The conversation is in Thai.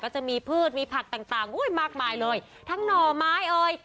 จะมีพืชมีผักต่างต่างอุ้ยมากมายเลยทั้งหน่อไม้เอ่ย